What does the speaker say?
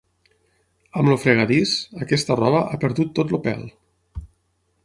Amb el fregadís, aquesta roba ha perdut tot el pèl.